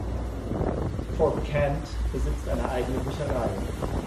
Fort Kent besitzt eine eigene Bücherei.